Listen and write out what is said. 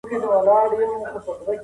بد انسان تل بې صبره وي